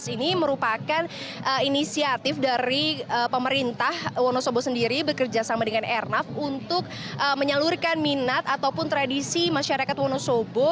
ini merupakan inisiatif dari pemerintah wonosobo sendiri bekerja sama dengan airnav untuk menyalurkan minat ataupun tradisi masyarakat wonosobo